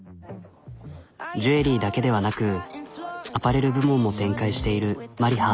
ジュエリーだけではなくアパレル部門も展開しているＭＡＲＩＨＡ。